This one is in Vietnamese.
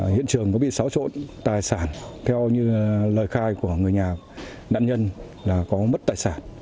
hiện trường có bị xáo trộn tài sản theo như lời khai của người nhà nạn nhân là có mất tài sản